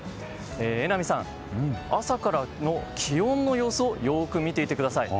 榎並さん、朝からの気温の様子をよく見ていてください。